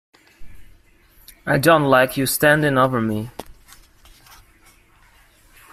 I don’t like you standing over me.